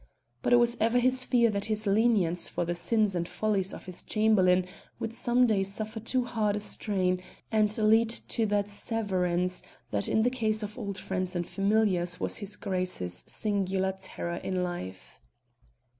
But it was ever his fear that his lenience for the sins and follies of his Chamberlain would some day suffer too hard a strain, and lead to that severance that in the case of old friends and familiars was his Grace's singular terror in life.